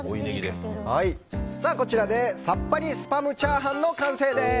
こちらでさっぱりスパムチャーハンの完成です！